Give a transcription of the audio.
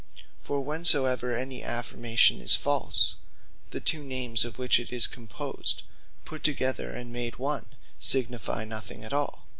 For whensoever any affirmation is false, the two names of which it is composed, put together and made one, signifie nothing at all.